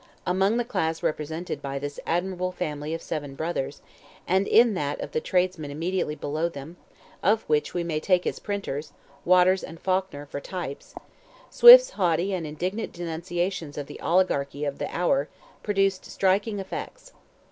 Among the class represented by this admirable family of seven brothers, and in that of the tradesmen immediately below them, of which we may take his printers, Waters and Faulkner for types, Swift's haughty and indignant denunciations of the oligarchy of the hour produced striking effects.